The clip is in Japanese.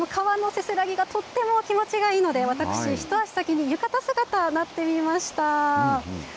川のせせらぎがとっても気持ちがいいので私、ひと足先に浴衣姿になってみました。